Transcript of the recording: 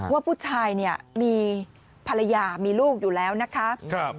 ว่าผู้ชายเนี่ยมีภรรยามีลูกอยู่แล้วนะคะ